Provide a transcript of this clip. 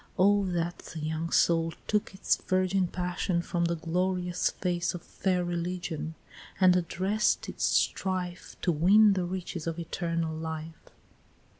Oh, that the young soul took Its virgin passion from the glorious face Of fair religion, and address'd its strife, To win the riches of eternal life!"